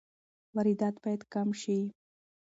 واردات باید کم شي.